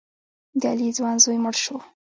د علي ځوان زوی مړ شو.